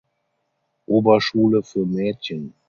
Oberschule für Mädchen.